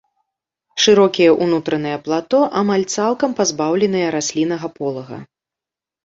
Шырокія ўнутраныя плато амаль цалкам пазбаўленыя расліннага полага.